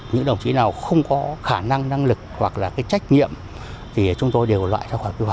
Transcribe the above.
những đồng chí nào không có khả năng năng lực hoặc là cái trách nhiệm thì chúng tôi đều loại ra khỏi quy hoạch